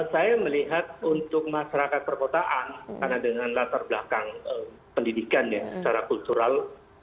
saya melihat untuk masyarakat perkotaan karena dengan latar belakang pendidikan ya secara kultural